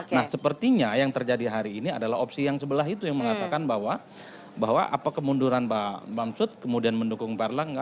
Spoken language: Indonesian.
nah sepertinya yang terjadi hari ini adalah opsi yang sebelah itu yang mengatakan bahwa apa kemunduran pak bamsud kemudian mendukung pak erlangga